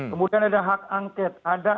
kemudian ada hak angket ada